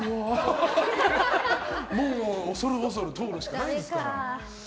もう、恐る恐る通るしかないですから。